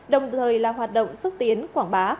đồng thời là hoạt động xuất tiến quảng bá